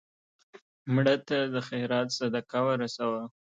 مړه ته د خیرات صدقه ورسوه